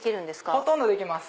ほとんどできます。